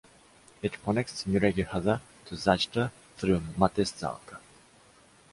It connects Nyíregyháza to Zajta through Mátészalka.